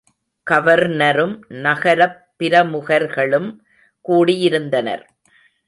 கவர்னரும் நகரப் பிரமுகர்களும் கூடியிருந்தனர்.